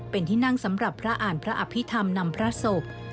เป็นที่นั่งสำหรับพระอ่านพระอภิษฐรรมนำพระศพ